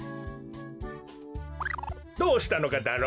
どうしたのかダロ？